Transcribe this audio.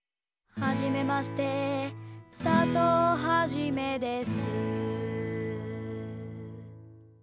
「はじめまして」「佐藤はじめです」